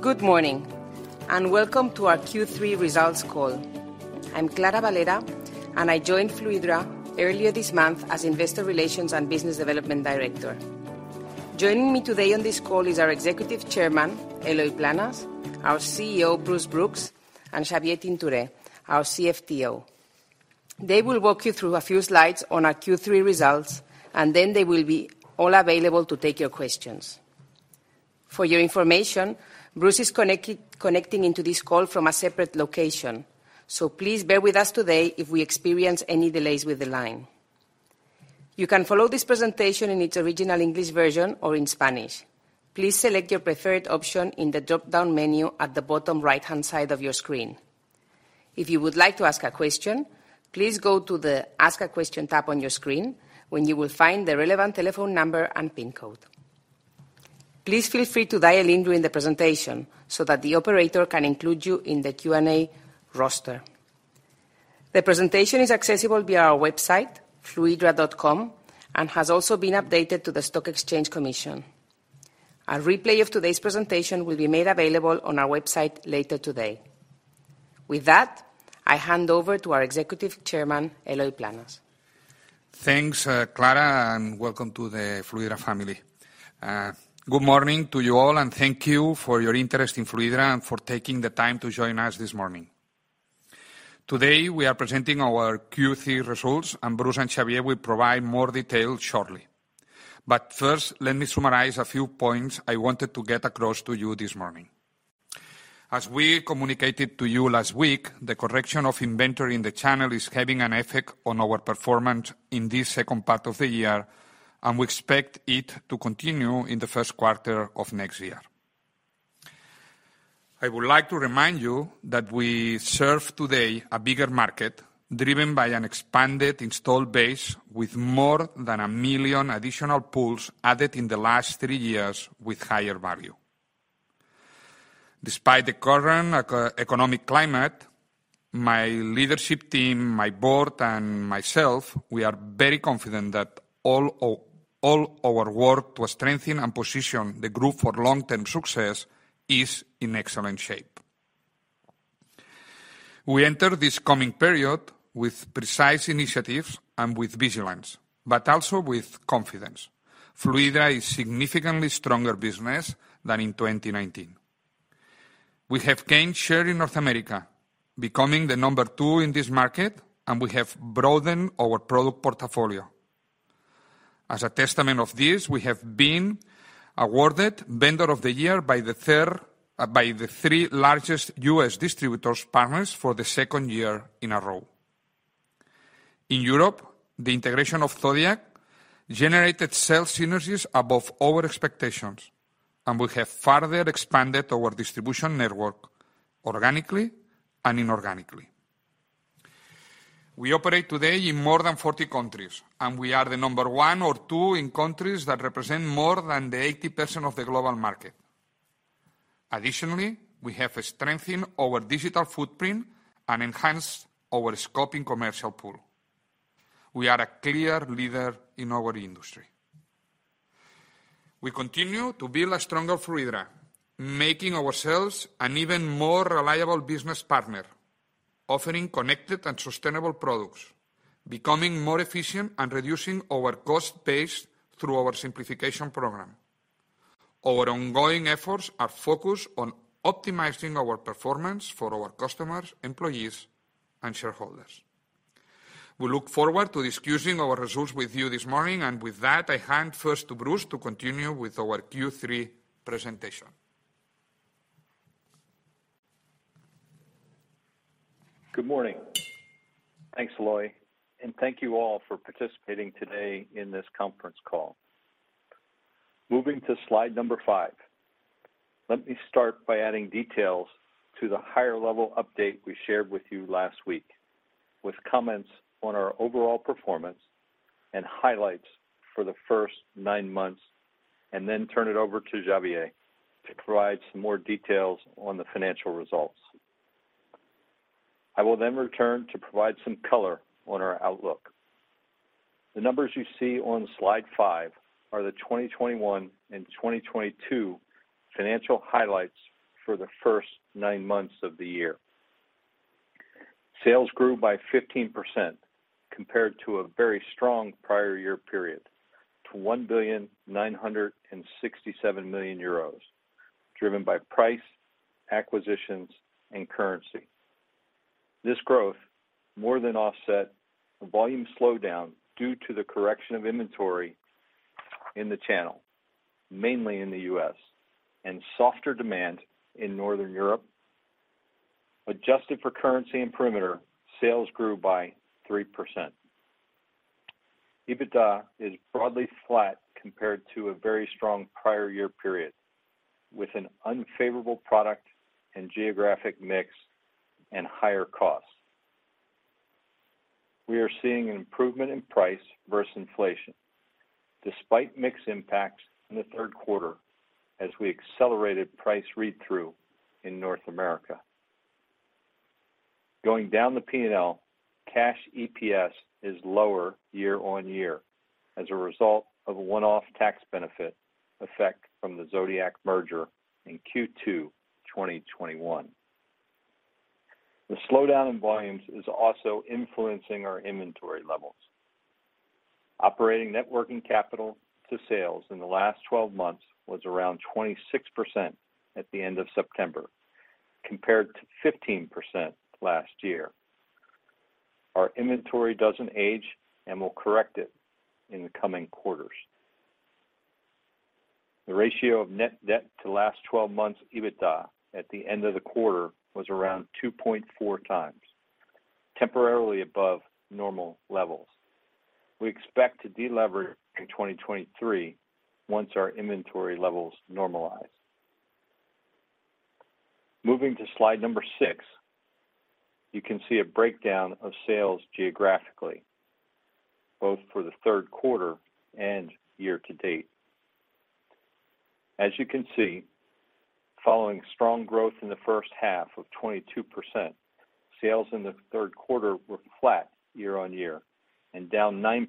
Good morning, and welcome to our Q3 results call. I'm Clara Valera, and I joined Fluidra earlier this month as investor relations and business development director. Joining me today on this call is our Executive Chairman, Eloy Planes Corts, our CEO, Bruce Brooks, and Xavier Tintoré, our CFTO. They will walk you through a few slides on our Q3 results, and then they will be all available to take your questions. For your information, Bruce is connecting into this call from a separate location, so please bear with us today if we experience any delays with the line. You can follow this presentation in its original English version or in Spanish. Please select your preferred option in the dropdown menu at the bottom right-hand side of your screen. If you would like to ask a question, please go to the Ask a Question tab on your screen, where you will find the relevant telephone number and PIN code. Please feel free to dial in during the presentation so that the operator can include you in the Q&A roster. The presentation is accessible via our website, fluidra.com, and has also been updated to the CNMV. A replay of today's presentation will be made available on our website later today. With that, I hand over to our Executive Chairman, Eloy Planes. Thanks, Clara, and welcome to the Fluidra family. Good morning to you all, and thank you for your interest in Fluidra and for taking the time to join us this morning. Today, we are presenting our Q3 results, and Bruce and Xavier will provide more details shortly. First, let me summarize a few points I wanted to get across to you this morning. As we communicated to you last week, the correction of inventory in the channel is having an effect on our performance in this second part of the year, and we expect it to continue in the first quarter of next year. I would like to remind you that we serve today a bigger market driven by an expanded install base with more than 1 million additional pools added in the last three years with higher value. Despite the current macro-economic climate, my leadership team, my board, and myself, we are very confident that all our work to strengthen and position the group for long-term success is in excellent shape. We enter this coming period with precise initiatives and with vigilance, but also with confidence. Fluidra is significantly stronger business than in 2019. We have gained share in North America, becoming the number two in this market, and we have broadened our product portfolio. As a testament of this, we have been awarded Vendor of the Year by the three largest US distributor partners for the second year in a row. In Europe, the integration of Zodiac generated sales synergies above our expectations, and we have further expanded our distribution network organically and inorganically. We operate today in more than 40 countries, and we are the number one or two in countries that represent more than the 80% of the global market. Additionally, we have strengthened our digital footprint and enhanced our scoping commercial pool. We are a clear leader in our industry. We continue to build a stronger Fluidra, making ourselves an even more reliable business partner, offering connected and sustainable products, becoming more efficient and reducing our cost base through our simplification program. Our ongoing efforts are focused on optimizing our performance for our customers, employees, and shareholders. We look forward to discussing our results with you this morning. With that, I hand first to Bruce to continue with our Q3 presentation. Good morning. Thanks, Eloy, and thank you all for participating today in this conference call. Moving to slide number 5, let me start by adding details to the higher level update we shared with you last week, with comments on our overall performance and highlights for the first nine months, and then turn it over to Xavier to provide some details on the financial results. I will then return to provide some color on our outlook. The numbers you see on slide 5 are the 2021 and 2022 financial highlights for the first nine months of the year. Sales grew by 15% compared to a very strong prior year period to 1,967 million euros, driven by price, acquisitions, and currency. This growth more than offset the volume slowdown due to the correction of inventory in the channel, mainly in the U.S., and softer demand in Northern Europe. Adjusted for currency and perimeter, sales grew by 3%. EBITDA is broadly flat compared to a very strong prior year period, with an unfavorable product and geographic mix and higher costs. We are seeing an improvement in price versus inflation despite mix impacts in the third quarter as we accelerated price read-through in North America. Going down the P&L, cash EPS is lower year-on-year as a result of a one-off tax benefit effect from the Zodiac merger in Q2 2021. The slowdown in volumes is also influencing our inventory levels. Operating net working capital to sales in the last 12 months was around 26% at the end of September, compared to 15% last year. Our inventory doesn't age, and we'll correct it in the coming quarters. The ratio of net debt to last twelve months EBITDA at the end of the quarter was around 2.4 times, temporarily above normal levels. We expect to de-lever in 2023 once our inventory levels normalize. Moving to slide 6, you can see a breakdown of sales geographically, both for the third quarter and year to date. As you can see, following strong growth in the first half of 22%, sales in the third quarter were flat year-over-year, and down 9%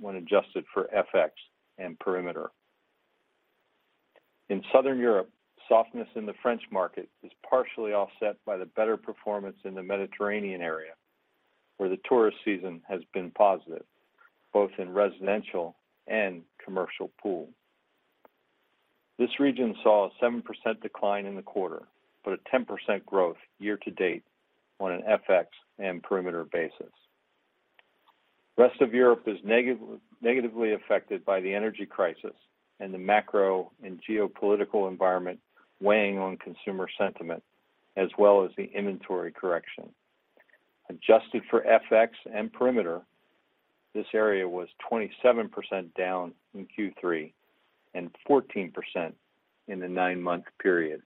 when adjusted for FX and perimeter. In Southern Europe, softness in the French market is partially offset by the better performance in the Mediterranean area, where the tourist season has been positive, both in residential and commercial pool. This region saw a 7% decline in the quarter, but a 10% growth year-to-date on an FX and perimeter basis. Rest of Europe is negatively affected by the energy crisis and the macro and geopolitical environment weighing on consumer sentiment, as well as the inventory correction. Adjusted for FX and perimeter, this area was 27% down in Q3 and 14% in the nine-month period.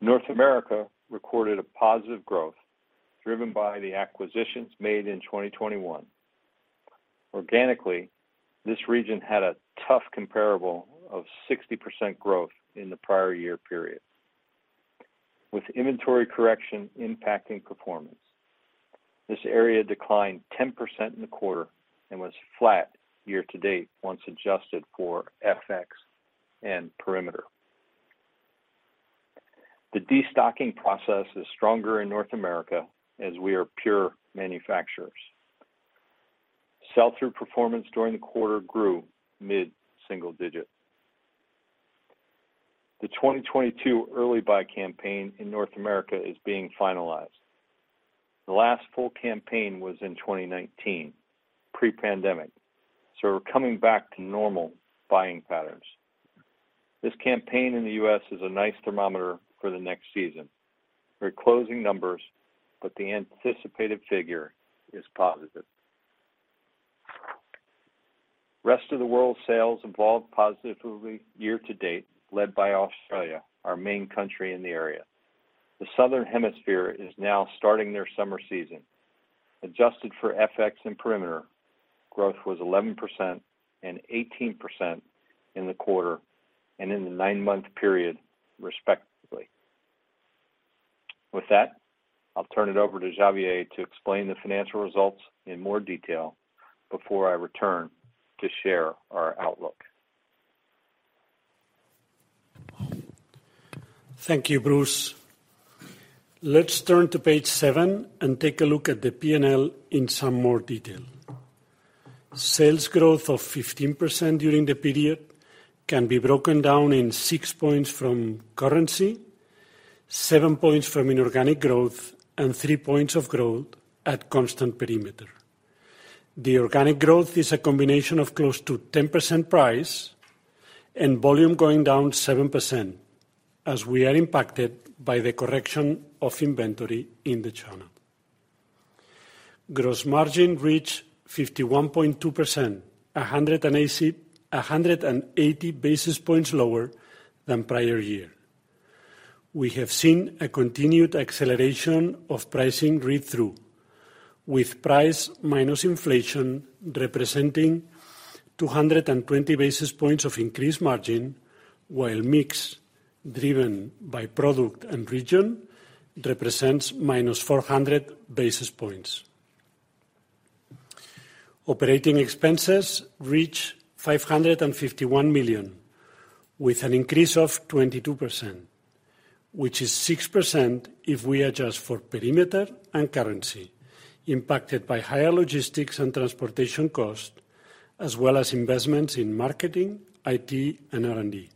North America recorded a positive growth driven by the acquisitions made in 2021. Organically, this region had a tough comparable of 60% growth in the prior year period. With inventory correction impacting performance, this area declined 10% in the quarter and was flat year-to-date once adjusted for FX and perimeter. The destocking process is stronger in North America as we are pure manufacturers. Sell-through performance during the quarter grew mid-single digit. The 2022 early buy campaign in North America is being finalized. The last full campaign was in 2019, pre-pandemic, so we're coming back to normal buying patterns. This campaign in the US is a nice thermometer for the next season. We're closing numbers, but the anticipated figure is positive. Rest of the world sales evolved positively year to date, led by Australia, our main country in the area. The Southern Hemisphere is now starting their summer season. Adjusted for FX and perimeter, growth was 11% and 18% in the quarter and in the nine-month period, respectively. With that, I'll turn it over to Xavier to explain the financial results in more detail before I return to share our outlook. Thank you, Bruce. Let's turn to page seven and take a look at the P&L in some more detail. Sales growth of 15% during the period can be broken down in 6 points from currency, 7 points from inorganic growth, and 3 points of growth at constant perimeter. The organic growth is a combination of close to 10% price and volume going down 7%, as we are impacted by the correction of inventory in the channel. Gross margin reached 51.2%, 180 basis points lower than prior year. We have seen a continued acceleration of pricing read-through, with price minus inflation representing 220 basis points of increased margin, while mix driven by product and region represents minus 400 basis points. Operating expenses reached 551 million, with an increase of 22%, which is 6% if we adjust for perimeter and currency, impacted by higher logistics and transportation costs, as well as investments in marketing, IT, and R&D.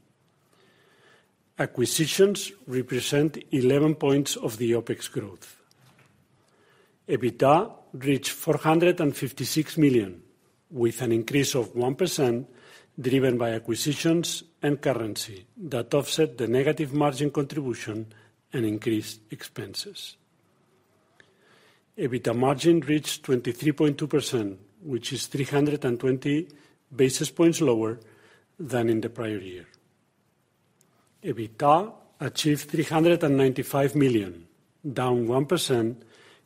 Acquisitions represent 11 points of the OpEx growth. EBITDA reached 456 million, with an increase of 1% driven by acquisitions and currency that offset the negative margin contribution and increased expenses. EBITDA margin reached 23.2%, which is 320 basis points lower than in the prior year. EBITDA achieved 395 million, down 1%,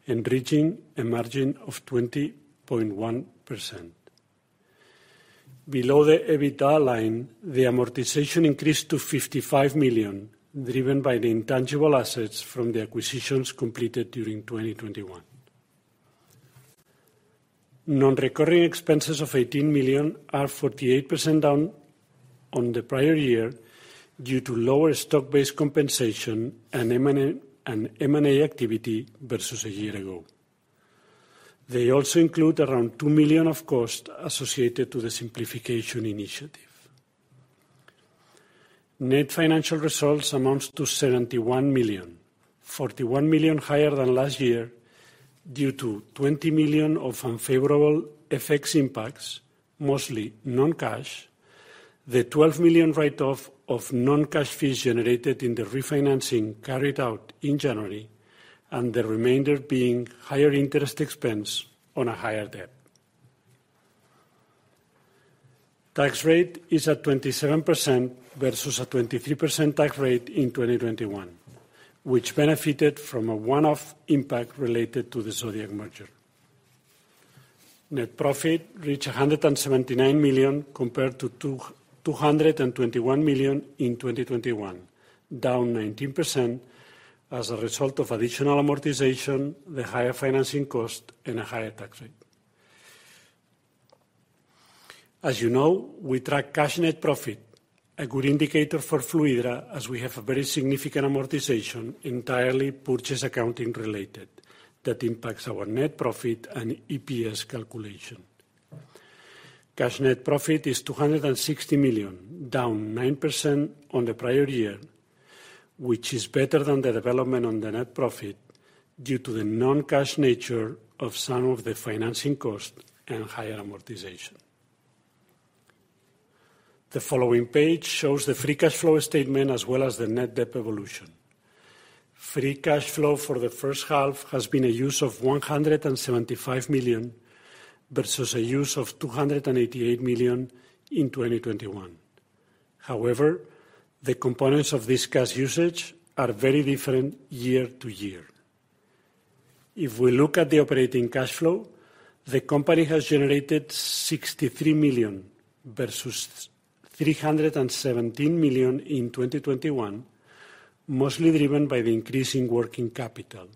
and reaching a margin of 20.1%. Below the EBITDA line, the amortization increased to 55 million, driven by the intangible assets from the acquisitions completed during 2021. Non-recurring expenses of 18 million are 48% down on the prior year due to lower stock-based compensation and M&A, and M&A activity versus a year ago. They also include around 2 million of costs associated to the simplification initiative. Net financial results amounts to 71 million, 41 million higher than last year due to 20 million of unfavorable FX impacts, mostly non-cash. The 12 million write-off of non-cash fees generated in the refinancing carried out in January, and the remainder being higher interest expense on a higher debt. Tax rate is at 27% versus a 23% tax rate in 2021, which benefited from a one-off impact related to the Zodiac merger. Net profit reached 179 million compared to 221 million in 2021, down 19% as a result of additional amortization, the higher financing cost, and a higher tax rate. As you know, we track cash net profit, a good indicator for Fluidra as we have a very significant amortization, entirely purchase accounting-related, that impacts our net profit and EPS calculation. Cash net profit is 260 million, down 9% on the prior year, which is better than the development on the net profit due to the non-cash nature of some of the financing costs and higher amortization. The following page shows the free cash flow statement as well as the net debt evolution. Free cash flow for the first half has been a use of 175 million versus a use of 288 million in 2021. However, the components of this cash usage are very different year to year. If we look at the operating cash flow, the company has generated 63 million versus 317 million in 2021, mostly driven by the increase in working capital.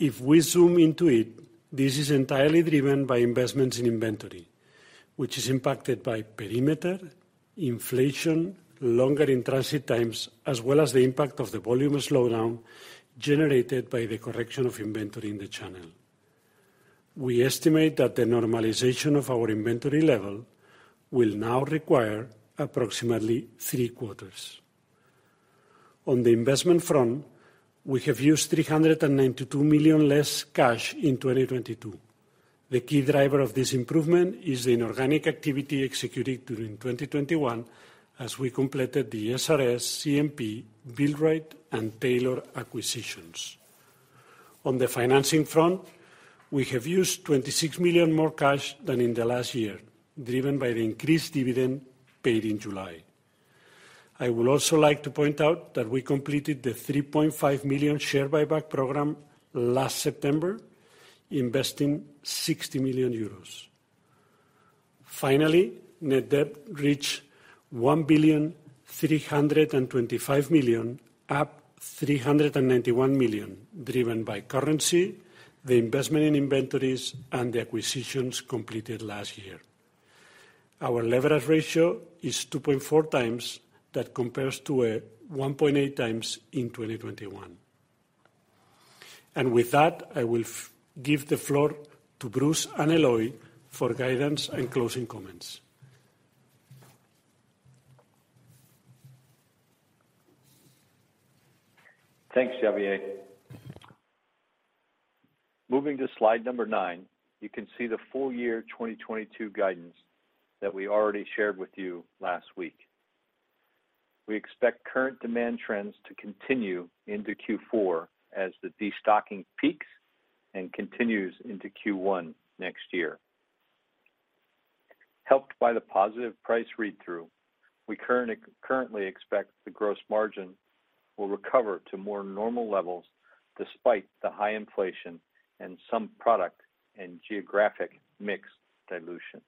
If we zoom into it, this is entirely driven by investments in inventory, which is impacted by perimeter, inflation, longer in-transit times, as well as the impact of the volume slowdown generated by the correction of inventory in the channel. We estimate that the normalization of our inventory level will now require approximately three quarters. On the investment front, we have used 392 million less cash in 2022. The key driver of this improvement is the inorganic activity executed during 2021 as we completed the SRS, CMP, Built Right, and Taylor acquisitions. On the financing front, we have used 26 million more cash than in the last year, driven by the increased dividend paid in July. I would also like to point out that we completed the 3.5 million share buyback program last September, investing 60 million euros. Finally, net debt reached 1.325 billion, up 391 million, driven by currency, the investment in inventories, and the acquisitions completed last year. Our leverage ratio is 2.4 times. That compares to a 1.8 times in 2021. With that, I will give the floor to Bruce and Eloy for guidance and closing comments. Thanks, Xavier. Moving to slide number 9, you can see the full year 2022 guidance that we already shared with you last week. We expect current demand trends to continue into Q4 as the destocking peaks and continues into Q1 next year. Helped by the positive price read-through, we currently expect the gross margin will recover to more normal levels despite the high inflation and some product and geographic mix dilution.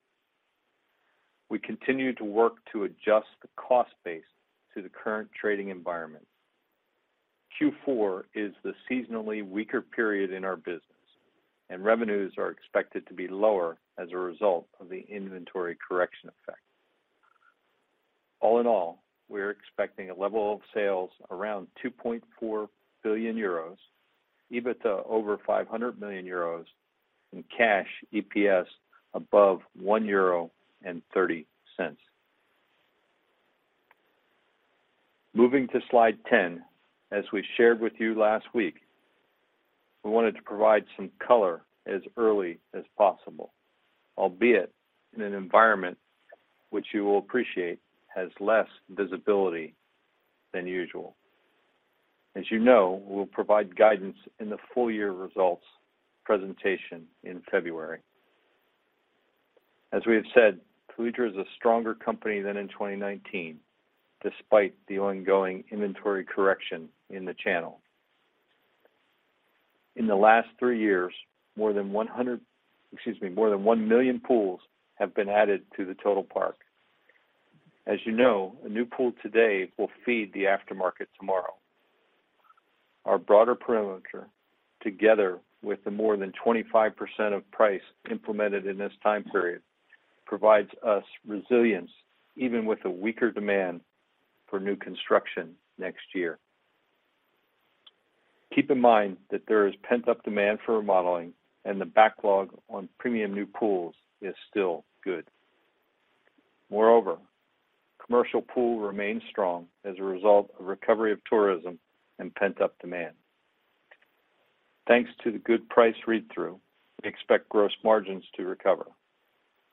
We continue to work to adjust the cost base to the current trading environment. Q4 is the seasonally weaker period in our business, and revenues are expected to be lower as a result of the inventory correction effect. All in all, we're expecting a level of sales around 2.4 billion euros, EBITDA over 500 million euros, and cash EPS above 1.30 euro. Moving to slide 10, as we shared with you last week, we wanted to provide some color as early as possible, albeit in an environment which you will appreciate has less visibility than usual. As you know, we'll provide guidance in the full year results presentation in February. As we have said, Fluidra is a stronger company than in 2019, despite the ongoing inventory correction in the channel. In the last 3 years, more than 1 million pools have been added to the total park. As you know, a new pool today will feed the aftermarket tomorrow. Our broader perimeter, together with the more than 25% of price implemented in this time period, provides us resilience even with a weaker demand for new construction next year. Keep in mind that there is pent-up demand for remodeling, and the backlog on premium new pools is still good. Moreover, commercial pool remains strong as a result of recovery of tourism and pent-up demand. Thanks to the good price read-through, we expect gross margins to recover.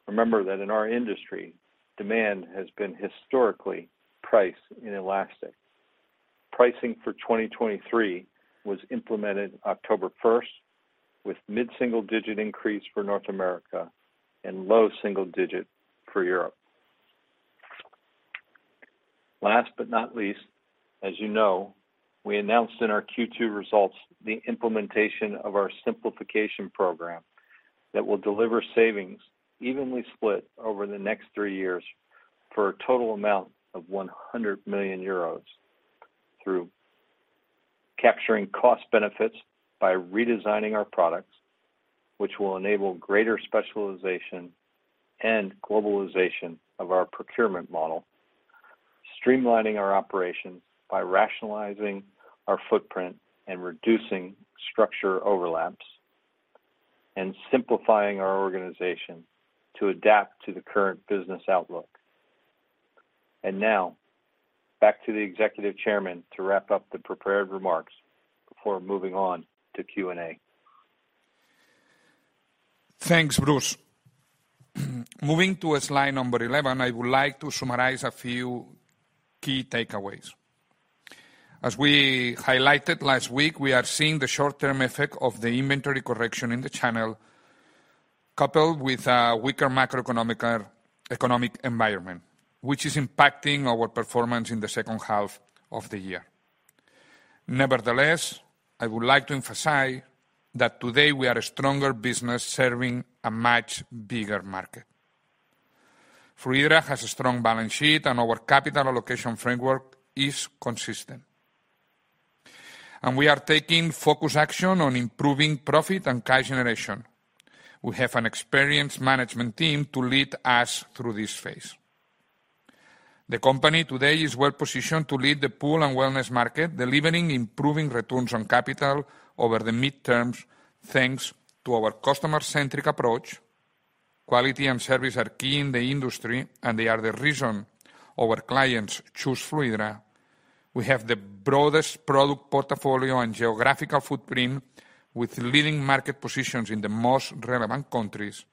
Remember that in our industry, demand has been historically priced inelastic. Pricing for 2023 was implemented October 1, with mid-single-digit% increase for North America and low single-digit% for Europe. Last but not least, as you know, we announced in our Q2 results the implementation of our simplification program that will deliver savings evenly split over the next three years for a total amount of 100 million euros through capturing cost benefits by redesigning our products, which will enable greater specialization and globalization of our procurement model. Streamlining our operations by rationalizing our footprint and reducing structure overlaps, and simplifying our organization to adapt to the current business outlook. Now back to the Executive Chairman to wrap up the prepared remarks before moving on to Q&A. Thanks, Bruce. Moving to slide number 11, I would like to summarize a few key takeaways. As we highlighted last week, we are seeing the short-term effect of the inventory correction in the channel, coupled with a weaker macroeconomic environment, which is impacting our performance in the second half of the year. Nevertheless, I would like to emphasize that today we are a stronger business serving a much bigger market. Fluidra has a strong balance sheet, and our capital allocation framework is consistent. We are taking focused action on improving profit and cash generation. We have an experienced management team to lead us through this phase. The company today is well-positioned to lead the pool and wellness market, delivering improving returns on capital over the medium term, thanks to our customer-centric approach. Quality and service are key in the industry, and they are the reason our clients choose Fluidra. We have the broadest product portfolio and geographical footprint with leading market positions in the most relevant countries.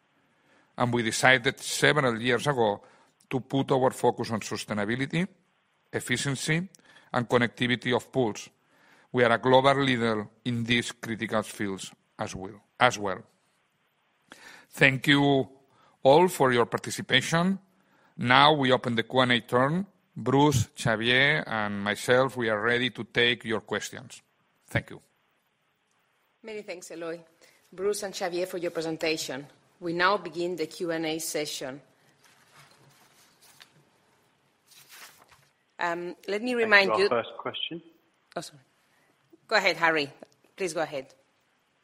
We decided several years ago to put our focus on sustainability, efficiency, and connectivity of pools. We are a global leader in these critical fields as well. Thank you all for your participation. Now we open the Q&A turn. Bruce, Xavier, and myself, we are ready to take your questions. Thank you. Many thanks, Eloy, Bruce, and Xavier for your presentation. We now begin the Q&A session. Let me remind you. Thank you. First question. Oh, sorry. Go ahead, Harry. Please go ahead.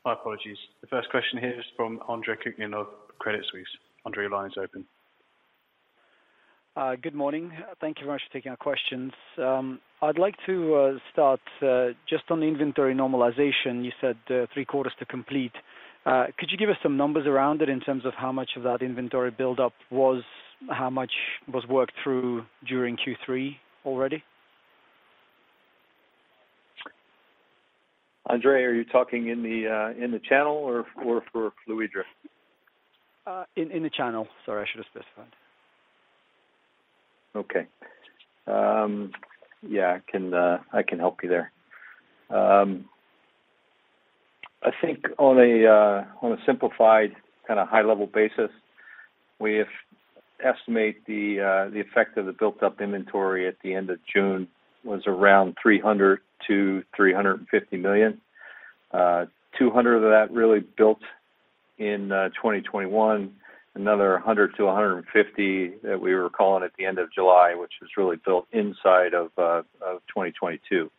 My apologies. The first question here is from Andre Kukhnin of Credit Suisse. Andre, your line is open. Good morning. Thank you very much for taking our questions. I'd like to start just on the inventory normalization. You said three quarters to complete. Could you give us some numbers around it in terms of how much of that inventory buildup was, how much was worked through during Q3 already? Andre, are you talking in the channel or for Fluidra? In the channel. Sorry, I should have specified. Okay. Yeah, I can help you there. I think on a simplified kinda high level basis, we have estimated the effect of the built-up inventory at the end of June was around 300 million-350 million. 200 million of that really built in 2021. Another 100 million-150 million that we were calling at the end of July, which was really built inside of 2022.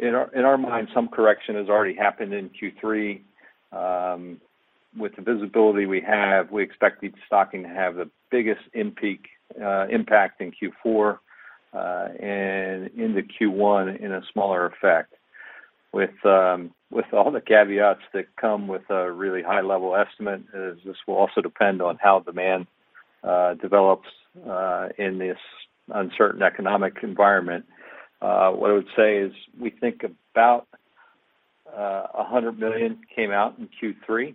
In our minds, some correction has already happened in Q3. With the visibility we have, we expect the stocking to have the biggest peak impact in Q4, and into Q1 in a smaller effect. With all the caveats that come with a really high-level estimate, this will also depend on how demand develops in this uncertain economic environment. What I would say is we think about 100 million came out in Q3.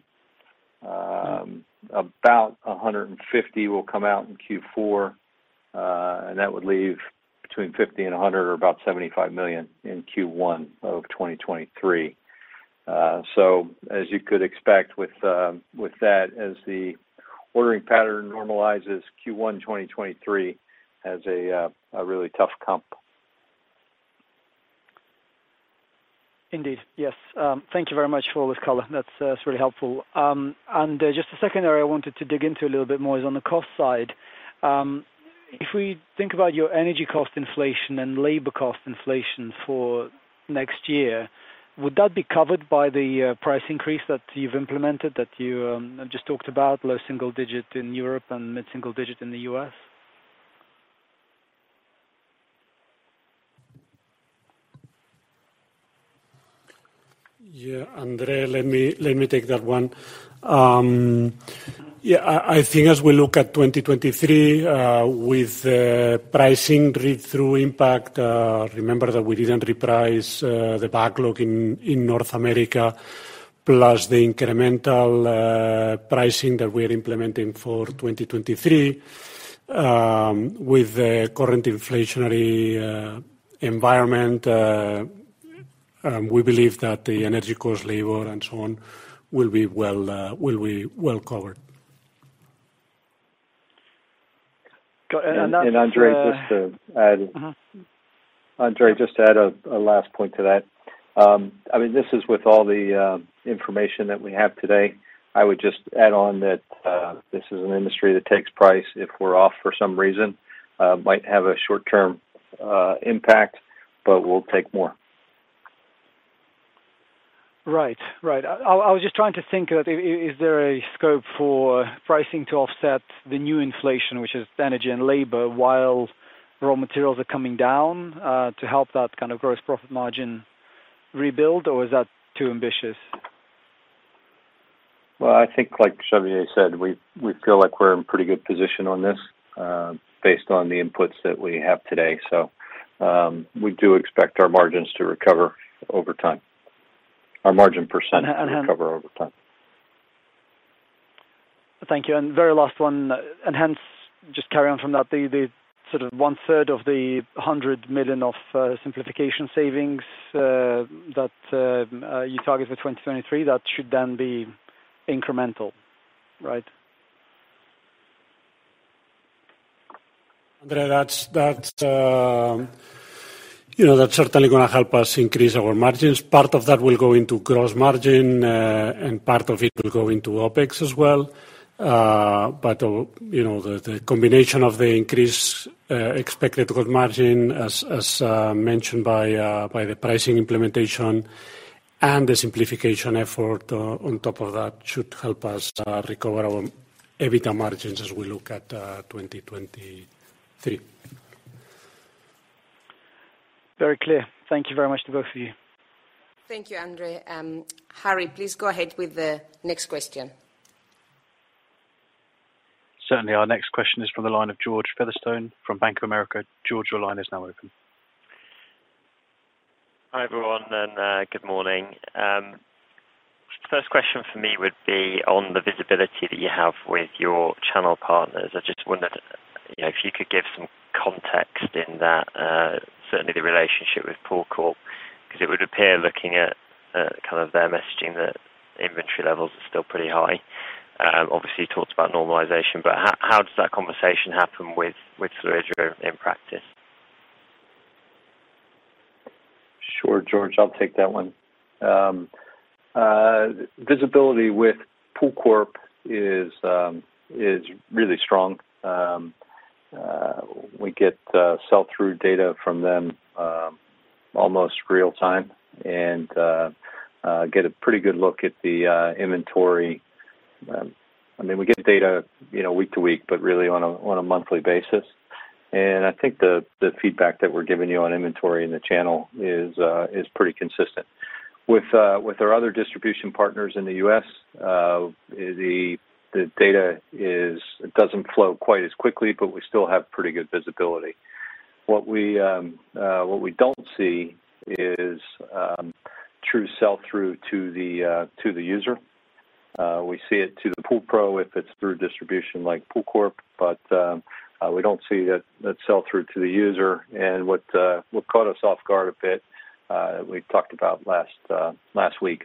About 150 million will come out in Q4, and that would leave between 50 million and 100 million or about 75 million in Q1 of 2023. As you could expect with that as the ordering pattern normalizes Q1 2023 as a really tough comp. Indeed. Yes. Thank you very much for all this color. That's, it's really helpful. Just the second area I wanted to dig into a little bit more is on the cost side. If we think about your energy cost inflation and labor cost inflation for next year, would that be covered by the price increase that you've implemented, that you just talked about, low-single-digit% in Europe and mid-single-digit% in the US? Yeah, Andre, let me take that one. Yeah, I think as we look at 2023, with the pricing read-through impact, remember that we didn't reprice the backlog in North America, plus the incremental pricing that we're implementing for 2023, with the current inflationary environment, we believe that the energy cost, labor, and so on will be well covered. Last, Andre, just to add. Uh-huh. Andre, just to add a last point to that. I mean, this is with all the information that we have today. I would just add on that, this is an industry that takes price. If we're off for some reason, might have a short-term impact, but we'll take more. Right. I was just trying to think that is there a scope for pricing to offset the new inflation, which is energy and labor, while raw materials are coming down, to help that kind of gross profit margin rebuild, or is that too ambitious? Well, I think like Xavier said, we feel like we're in pretty good position on this, based on the inputs that we have today. We do expect our margins to recover over time. Our margin percent Uh-huh to recover over time. Thank you. Very last one. Hence, just carry on from that, the sort of one-third of the 100 million of simplification savings that you target for 2023, that should then be incremental, right? Andre, that's certainly gonna help us increase our margins. Part of that will go into gross margin, and part of it will go into OpEx as well. You know, the combination of the increased expected gross margin as mentioned by the pricing implementation and the simplification effort on top of that should help us recover our EBITDA margins as we look at 2023. Very clear. Thank you very much to both of you. Thank you, Andre. Harry, please go ahead with the next question. Certainly. Our next question is from the line of George Featherstone from Bank of America. George, your line is now open. Hi, everyone, and good morning. First question for me would be on the visibility that you have with your channel partners. I just wondered, you know, if you could give some context in that, certainly the relationship with PoolCorp, 'cause it would appear looking at, kind of their messaging that inventory levels are still pretty high. Obviously you talked about normalization, but how does that conversation happen with Fluidra in practice? Sure, George, I'll take that one. Visibility with PoolCorp is really strong. We get sell-through data from them almost real time and get a pretty good look at the inventory. I mean, we get data, you know, week to week, but really on a monthly basis. I think the feedback that we're giving you on inventory in the channel is pretty consistent. With our other distribution partners in the US, the data doesn't flow quite as quickly, but we still have pretty good visibility. What we don't see is true sell-through to the user. We see it to the pool pro if it's through distribution like PoolCorp, but we don't see that sell-through to the user. What caught us off guard a bit, we talked about last week,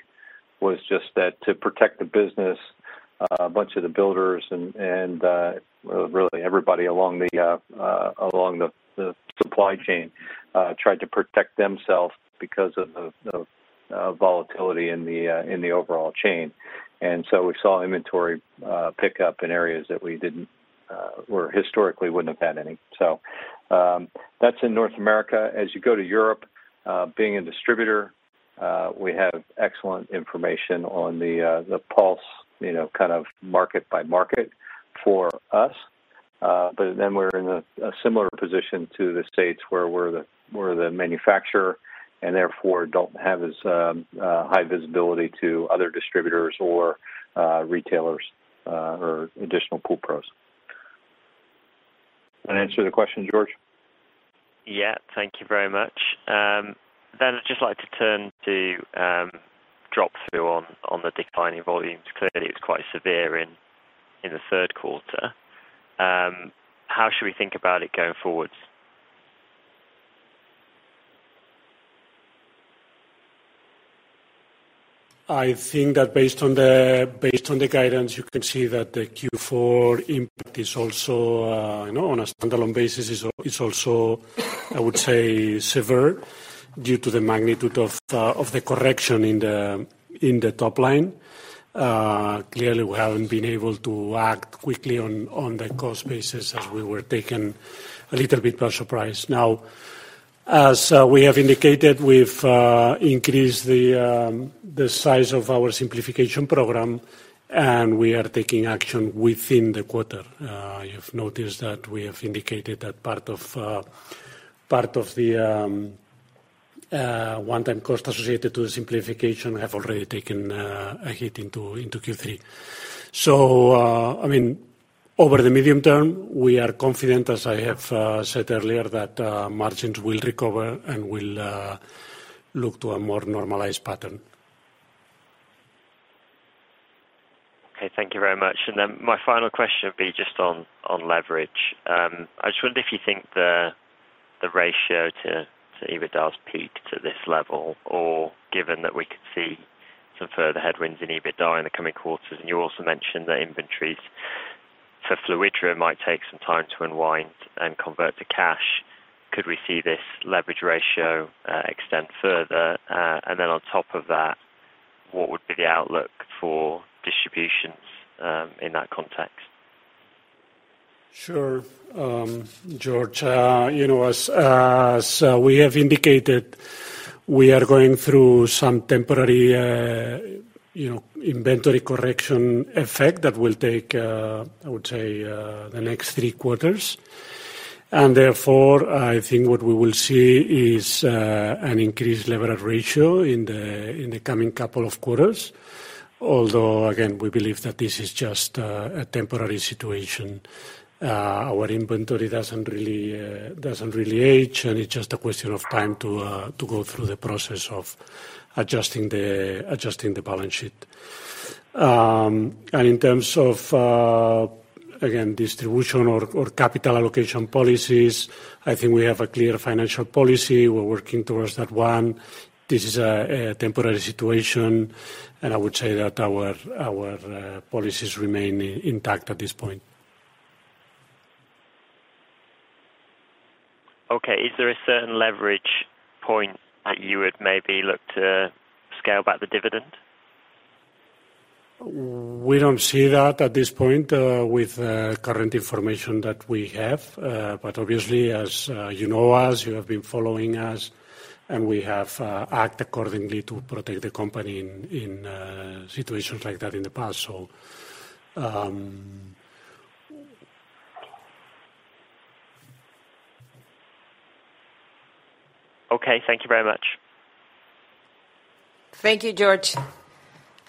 was just that to protect the business, a bunch of the builders and really everybody along the supply chain tried to protect themselves because of the volatility in the overall chain. We saw inventory pick up in areas that we didn't or historically wouldn't have had any. That's in North America. As you go to Europe, being a distributor, we have excellent information on the pulse, you know, kind of market by market for us. We're in a similar position to the States where we're the manufacturer and therefore don't have as high visibility to other distributors or retailers or additional pool pros. That answer the question, George? Yeah. Thank you very much. I'd just like to turn to drop-through on the declining volumes. Clearly, it was quite severe in the third quarter. How should we think about it going forward? I think that based on the guidance, you can see that the Q4 impact is also, you know, on a standalone basis, I would say, severe due to the magnitude of the correction in the top line. Clearly, we haven't been able to act quickly on the cost basis as we were taken a little bit by surprise. Now, as we have indicated, we've increased the size of our simplification program, and we are taking action within the quarter. You have noticed that we have indicated that part of the one-time cost associated to the simplification have already taken a hit into Q3. I mean, over the medium term, we are confident, as I have said earlier, that margins will recover and will look to a more normalized pattern. Okay. Thank you very much. Then my final question would be just on leverage. I just wonder if you think the ratio to EBITDA has peaked at this level or given that we could see some further headwinds in EBITDA in the coming quarters, and you also mentioned the inventories. Fluidra might take some time to unwind and convert to cash. Could we see this leverage ratio extend further? On top of that, what would be the outlook for distributions in that context? Sure. George, you know, as we have indicated, we are going through some temporary, you know, inventory correction effect that will take, I would say, the next three quarters. Therefore, I think what we will see is an increased leverage ratio in the coming couple of quarters. Although, again, we believe that this is just a temporary situation. Our inventory doesn't really age, and it's just a question of time to go through the process of adjusting the balance sheet. In terms of, again, distribution or capital allocation policies, I think we have a clear financial policy. We're working towards that one. This is a temporary situation, and I would say that our policies remain intact at this point. Okay. Is there a certain leverage point that you would maybe look to scale back the dividend? We don't see that at this point with current information that we have. Obviously, as you know us, you have been following us, and we have acted accordingly to protect the company in situations like that in the past. Okay, thank you very much. Thank you, George.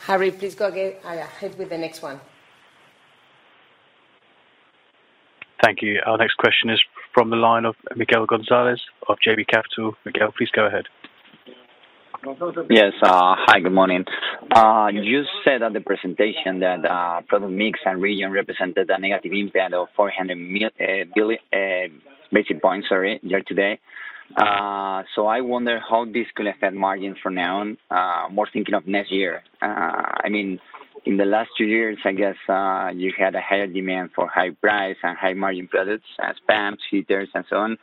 Harry, please go ahead with the next one. Thank you. Our next question is from the line of Miguel Gonzalez of JB Capital Markets. Miguel, please go ahead. Yes. Hi, good morning. You said at the presentation that product mix and region represented a negative impact of 400 billion basis points, sorry, year to date. I wonder how this could affect margins from now on, more thinking of next year. I mean, in the last two years, I guess, you had a higher demand for high price and high margin products, as pumps, heaters and so on,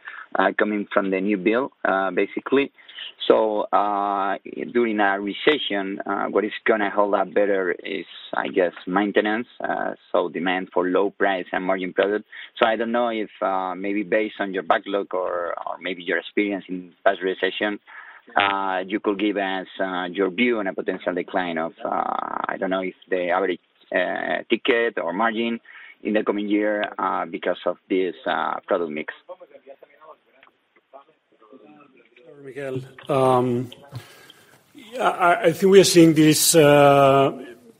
coming from the new build, basically. During a recession, what is gonna hold up better is, I guess, maintenance, so demand for low price and margin products. I don't know if maybe based on your backlog or maybe your experience in past recession you could give us your view on a potential decline of I don't know if the average ticket or margin in the coming year because of this product mix. Miguel, yeah, I think we are seeing this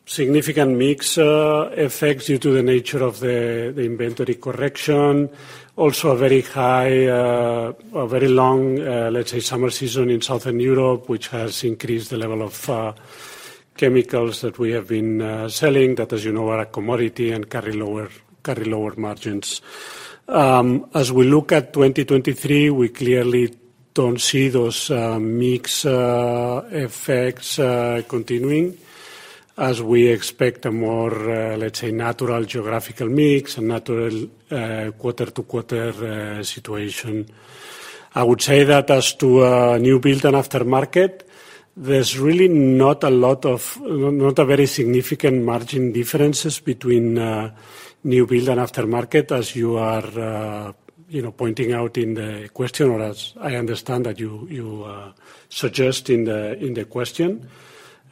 significant mix effects due to the nature of the inventory correction. Also a very high, a very long, let's say, summer season in Southern Europe, which has increased the level of chemicals that we have been selling that, as you know, are a commodity and carry lower margins. As we look at 2023, we clearly don't see those mix effects continuing as we expect a more, let's say, natural geographical mix, a natural quarter-to-quarter situation. I would say that as to new build and aftermarket, there's really not a very significant margin differences between new build and aftermarket, as you are, you know, pointing out in the question or as I understand that you suggest in the question.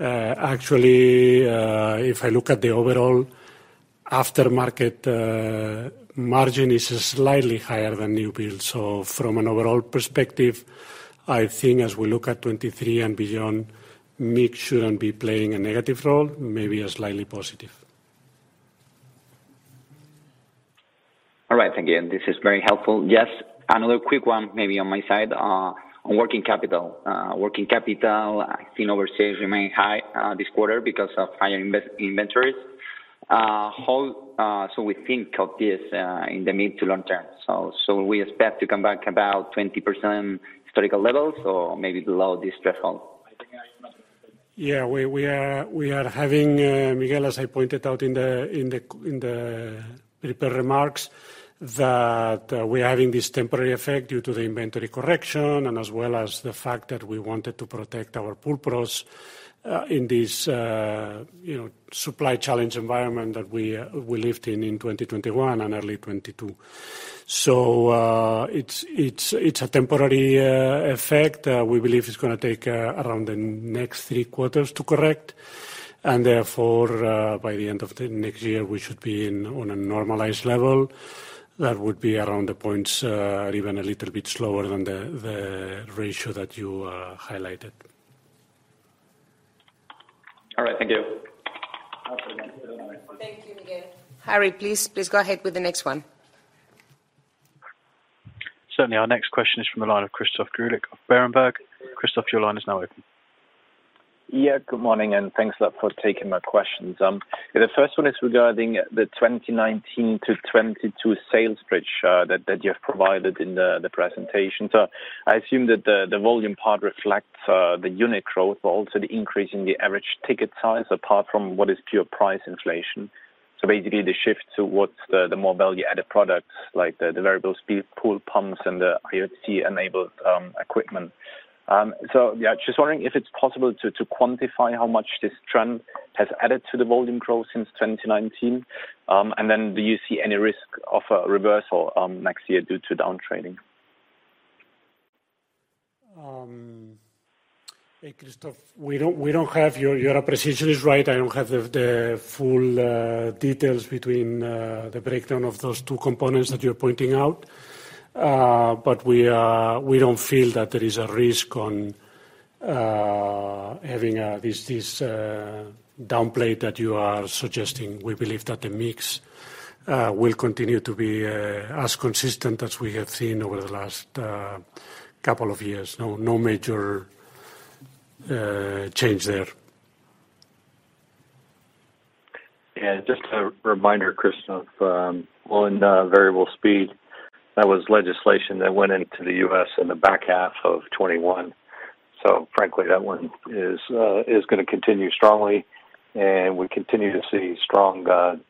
Actually, if I look at the overall aftermarket, margin is slightly higher than new build. So from an overall perspective, I think as we look at 2023 and beyond, mix shouldn't be playing a negative role, maybe a slightly positive. All right. Thank you. This is very helpful. Just another quick one, maybe on my side, on working capital. Working capital, I've seen overseas remain high, this quarter because of higher inventories. We think of this in the mid to long term. We expect to come back about 20% historical levels or maybe below this threshold? Yeah. We are having, Miguel, as I pointed out in the prepared remarks, that we are having this temporary effect due to the inventory correction, and as well as the fact that we wanted to protect our pool pros in this you know supply challenge environment that we lived in 2021 and early 2022. It's a temporary effect. We believe it's gonna take around the next three quarters to correct, and therefore by the end of the next year, we should be on a normalized level that would be around the points or even a little bit slower than the ratio that you highlighted. All right. Thank you. Thank you, Miguel. Harry, please go ahead with the next one. Certainly. Our next question is from the line of Christoph Greulich of Berenberg. Christoph, your line is now open. Yeah. Good morning, and thanks a lot for taking my questions. The first one is regarding the 2019 to 2022 sales bridge that you have provided in the presentation. I assume that the volume part reflects the unit growth, but also the increase in the average ticket size, apart from what is pure price inflation. Basically, the shift towards the more value-added products like the variable speed pool pumps and the IoT-enabled equipment. Just wondering if it is possible to quantify how much this trend has added to the volume growth since 2019. Do you see any risk of a reversal next year due to downtrading? Hey, Christoph. We don't have your appreciation. Your appreciation is right. I don't have the full details between the breakdown of those two components that you're pointing out. We don't feel that there is a risk on having this downplay that you are suggesting. We believe that the mix will continue to be as consistent as we have seen over the last couple of years. No major change there. Yeah, just a reminder, Christoph, on variable speed, that was legislation that went into the U.S. in the back half of 2021. Frankly, that one is gonna continue strongly, and we continue to see strong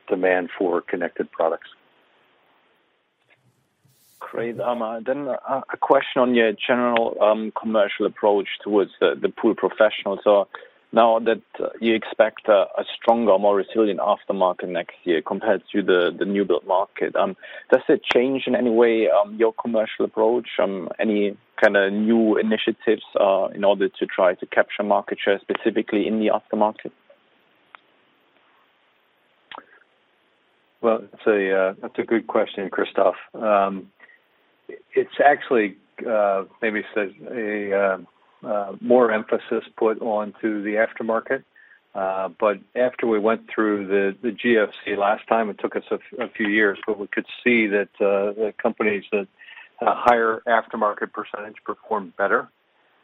demand for connected products. Great. A question on your general commercial approach towards the pool professionals. Now that you expect a stronger, more resilient aftermarket next year compared to the new build market, does it change in any way your commercial approach? Any kinda new initiatives in order to try to capture market share, specifically in the aftermarket? Well, that's a good question, Christoph. It's actually maybe it's a more emphasis put onto the aftermarket. But after we went through the GFC last time, it took us a few years, but we could see that the companies that had a higher aftermarket percentage performed better.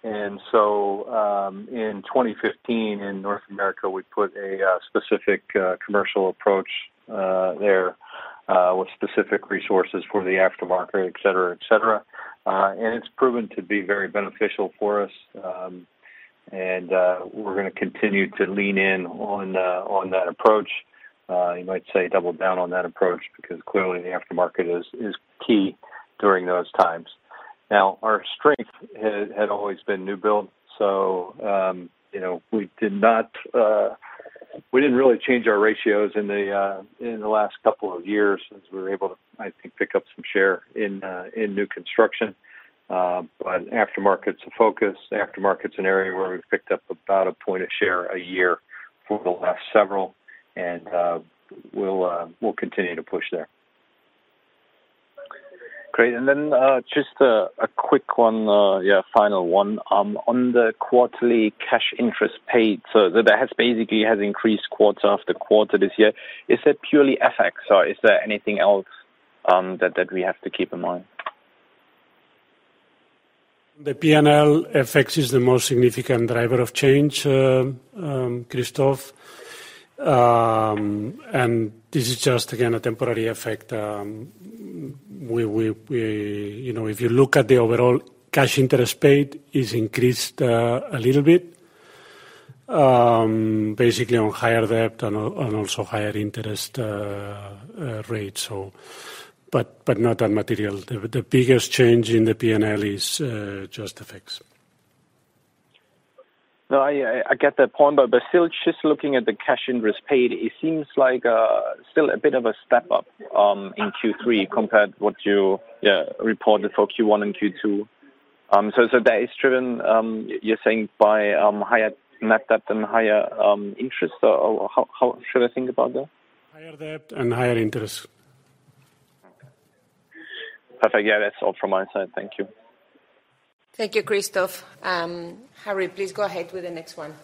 In 2015, in North America, we put a specific commercial approach there with specific resources for the aftermarket, et cetera, et cetera. And it's proven to be very beneficial for us. And we're gonna continue to lean in on that approach. You might say double down on that approach, because clearly the aftermarket is key during those times. Now, our strength had always been new build. You know, we didn't really change our ratios in the last couple of years since we were able to, I think, pick up some share in new construction. Aftermarket's a focus. Aftermarket's an area where we've picked up about a point of share a year for the last several, and we'll continue to push there. Great. Just a quick one, final one. On the quarterly cash interest paid, so that has basically increased quarter after quarter this year. Is that purely FX, or is there anything else that we have to keep in mind? The P&L FX is the most significant driver of change, Christoph. This is just, again, a temporary effect. You know, if you look at the overall cash interest paid, it's increased a little bit, basically on higher debt and also higher interest rate. But not material. The biggest change in the P&L is just FX. No, I get that point. Still just looking at the cash interest paid, it seems like still a bit of a step up in Q3 compared to what you reported for Q1 and Q2. That is driven, you're saying, by higher net debt and higher interest? How should I think about that? Higher debt and higher interest. Perfect. Yeah. That's all from my side. Thank you. Thank you, Christoph. Harry, please go ahead with the next one.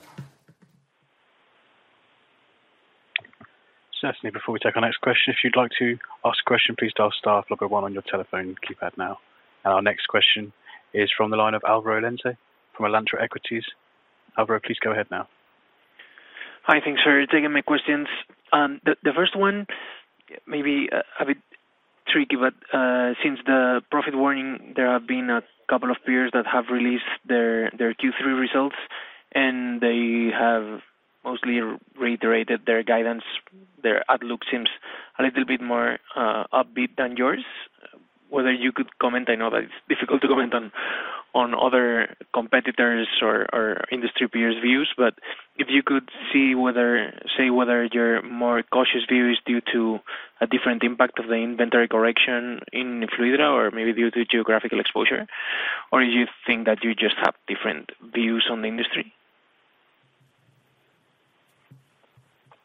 Certainly. Before we take our next question, if you'd like to ask a question, please dial star followed by one on your telephone keypad now. Our next question is from the line of Alvaro Lenze from Alantra Equities.Alvaro, please go ahead now. Hi. Thanks for taking my questions. The first one maybe a bit tricky, but since the profit warning, there have been a couple of peers that have released their Q3 results, and they have mostly reiterated their guidance. Their outlook seems a little bit more upbeat than yours. Whether you could comment. I know that it's difficult to comment on other competitors or industry peers' views, but if you could say whether your more cautious view is due to a different impact of the inventory correction in Fluidra or maybe due to geographical exposure, or you think that you just have different views on the industry.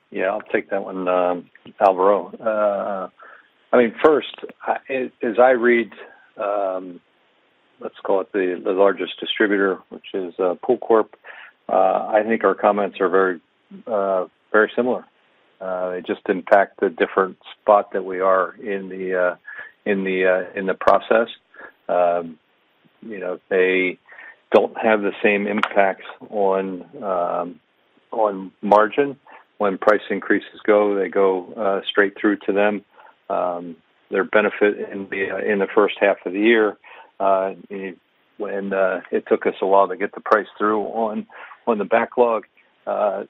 Yeah, I'll take that one, Alvaro. I mean, first, as I read, let's call it the largest distributor, which is PoolCorp. I think our comments are very similar. They just impact the different spot that we are in the process. You know, they don't have the same impact on margin. When price increases go, they go straight through to them. Their benefit in the first half of the year, when it took us a while to get the price through on the backlog,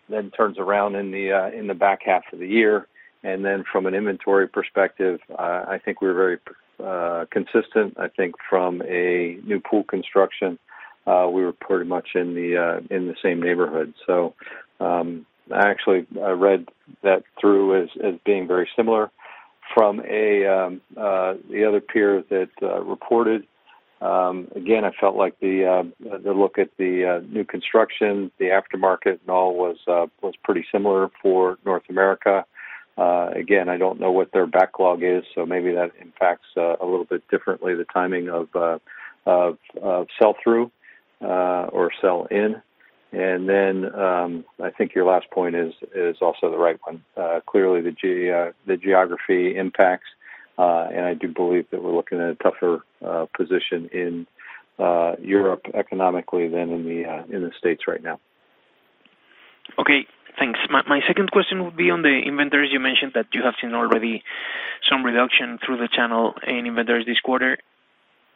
then turns around in the back half of the year. From an inventory perspective, I think we're very consistent. I think from a new pool construction, we were pretty much in the same neighborhood. I actually read that through as being very similar. From the other peer that reported, again, I felt like the look at the new construction, the aftermarket and all was pretty similar for North America. Again, I don't know what their backlog is, so maybe that impacts a little bit differently the timing of sell-through or sell in. I think your last point is also the right one. Clearly the geography impacts, and I do believe that we're looking at a tougher position in Europe economically than in the States right now. Okay, thanks. My second question would be on the inventories. You mentioned that you have seen already some reduction through the channel in inventories this quarter.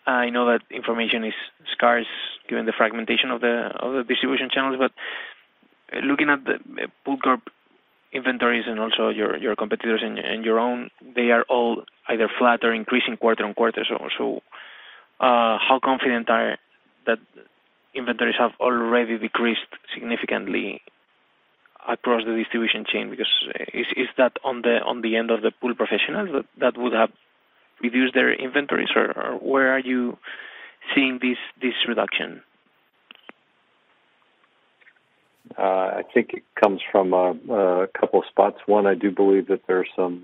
I know that information is scarce given the fragmentation of the distribution channels, but looking at the PoolCorp inventories and also your competitors and your own, they are all either flat or increasing quarter-over-quarter. How confident are you that inventories have already decreased significantly across the distribution chain? Because, is that on the end of the pool professionals that would have reduced their inventories, or where are you seeing this reduction? I think it comes from a couple of spots. One, I do believe that there's some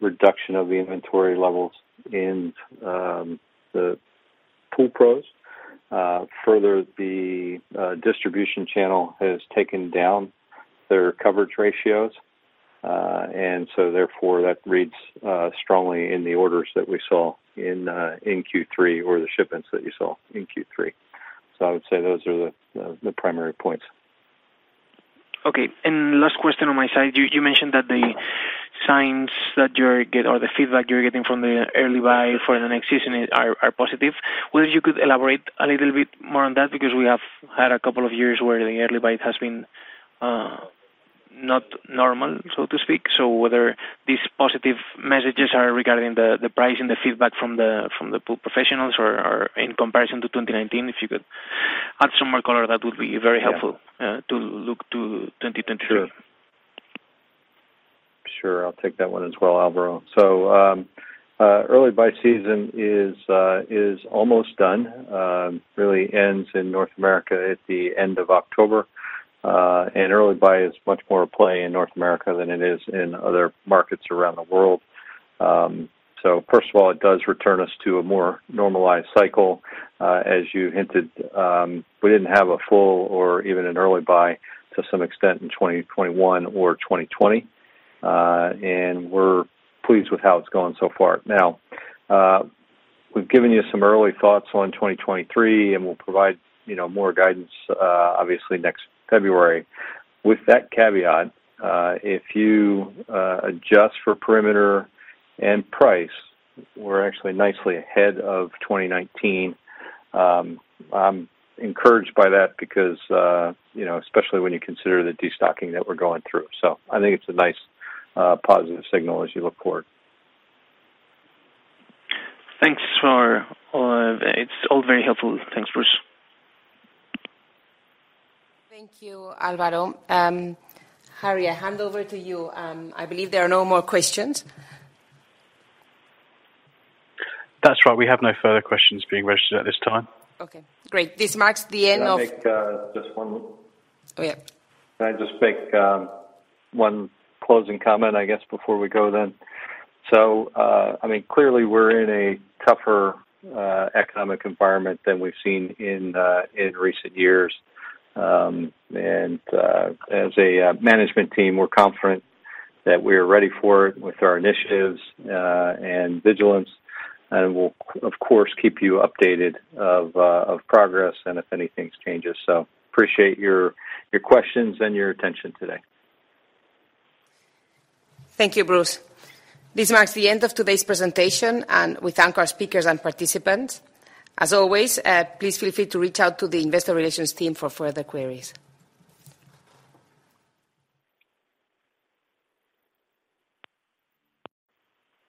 reduction of the inventory levels in the pool pros. Further, the distribution channel has taken down their coverage ratios, and so therefore that reads strongly in the orders that we saw in Q3 or the shipments that you saw in Q3. I would say those are the primary points. Okay. Last question on my side, you mentioned that the feedback you're getting from the early buy for the next season are positive. Whether you could elaborate a little bit more on that, because we have had a couple of years where the early buy has been not normal, so to speak. Whether these positive messages are regarding the pricing, the feedback from the pool professionals or in comparison to 2019, if you could add some more color, that would be very helpful? Yeah. to look to 2023. Sure, I'll take that one as well, Alvaro Lenze. Early buy season is almost done, really ends in North America at the end of October. Early buy is much more a play in North America than it is in other markets around the world. First of all, it does return us to a more normalized cycle. As you hinted, we didn't have a full or even an early buy to some extent in 2021 or 2020. We're pleased with how it's going so far. Now, we've given you some early thoughts on 2023, and we'll provide, you know, more guidance, obviously next February. With that caveat, if you adjust for perimeter and price, we're actually nicely ahead of 2019. I'm encouraged by that because, you know, especially when you consider the destocking that we're going through. I think it's a nice, positive signal as you look forward. Thanks for all of it. It's all very helpful. Thanks, Bruce. Thank you, Alvaro. Harry, I hand over to you. I believe there are no more questions. That's right. We have no further questions being registered at this time. Okay, great. Can I make just one Oh, yeah. Can I just make one closing comment, I guess, before we go then? I mean, clearly we're in a tougher economic environment than we've seen in recent years. As a management team, we're confident that we are ready for it with our initiatives and vigilance, and we'll of course keep you updated of progress and if anything changes. Appreciate your questions and your attention today. Thank you, Bruce. This marks the end of today's presentation, and we thank our speakers and participants. As always, please feel free to reach out to the investor relations team for further queries.